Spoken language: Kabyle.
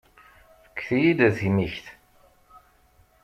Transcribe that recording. Fket-iyi-d timikt.